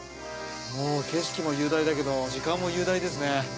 もう景色も雄大だけど時間も雄大ですね。